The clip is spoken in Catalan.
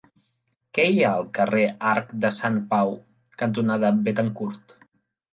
Què hi ha al carrer Arc de Sant Pau cantonada Béthencourt?